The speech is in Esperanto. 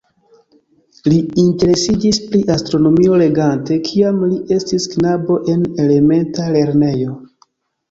Li interesiĝis pri astronomio legante kiam li estis knabo en elementa lernejo.